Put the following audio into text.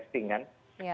karena jarang tracing kan